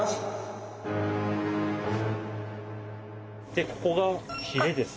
でここがひれです。